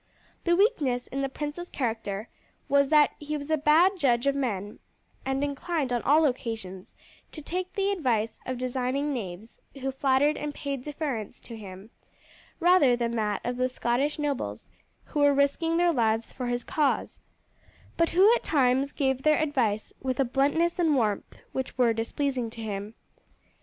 The weakness in the prince's character was that he was a bad judge of men, and inclined on all occasions to take the advice of designing knaves who flattered and paid deference to him, rather than that of the Scottish nobles who were risking their lives for his cause, but who at times gave their advice with a bluntness and warmth which were displeasing to him.